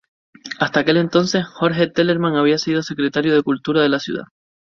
Hasta aquel entonces Jorge Telerman había sido Secretario de Cultura de la Ciudad.